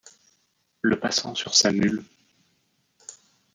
Le passant sur sa mule